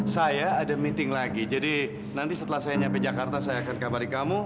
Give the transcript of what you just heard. saya ada meeting lagi jadi nanti setelah saya nyampe jakarta saya akan kabari kamu